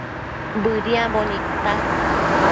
Bëdiambo nidta